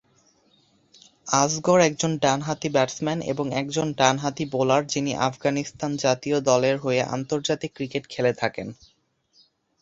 আসগর একজন ডানহাতি ব্যাটসম্যান এবং একজন ডানহাতি বোলার যিনি আফগানিস্তান জাতীয় ক্রিকেট দল-এর হয়ে আন্তর্জাতিক ক্রিকেট খেলে থাকেন।